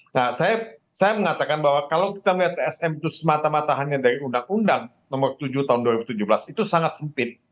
nah saya mengatakan bahwa kalau kita melihat tsm itu semata matahannya dari undang undang nomor tujuh tahun dua ribu tujuh belas itu sangat sempit